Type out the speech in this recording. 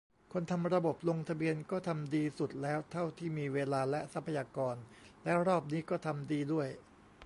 คนทำระบบลงทะเบียนก็ทำดีสุดแล้วเท่าที่มีเวลาและทรัพยากร และรอบนี้ก็ทำดีด้วย